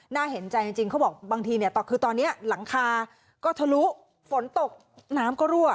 น่าเห็นใจจริงเขาบอกบางทีเนี่ยคือตอนนี้หลังคาก็ทะลุฝนตกน้ำก็รั่ว